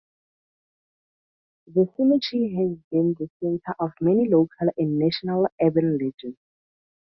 The cemetery has been the center of many local and national urban legends.